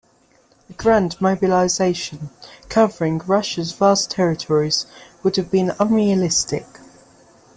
A grand mobilization covering Russia's vast territories would have been unrealistic.